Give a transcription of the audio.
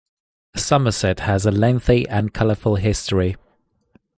Somerset has a lengthy and colorful history.